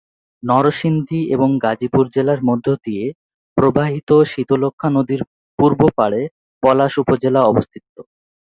নরসিংদী ও গাজীপুর জেলার মধ্য দিয়ে প্রবাহিত শীতলক্ষ্যা নদীর পূর্ব পাড়ে পলাশ উপজেলা অবস্থিত।